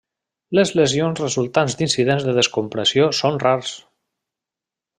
Les lesions resultants d'incidents de descompressió són rars.